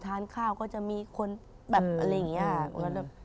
ทานข้าวก็จะมีคนแบบอะไรอย่างนี้